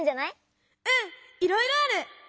うんいろいろある！